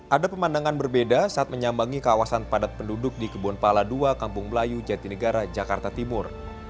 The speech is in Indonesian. ada pemandangan berbeda saat menyambangi kawasan padat penduduk di kebun pala ii kampung melayu jatinegara jakarta timur